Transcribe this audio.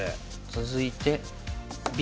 続いてＢ。